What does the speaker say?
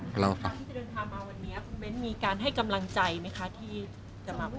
ก่อนที่จะเดินทางมาวันนี้คุณเบ้นมีการให้กำลังใจไหมคะที่จะมาพูด